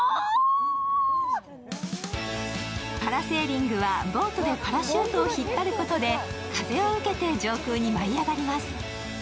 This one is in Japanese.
パラセーリングはボートでパラシュートを引っ張ることで風を受けて上空に舞い上がります。